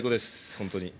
本当に。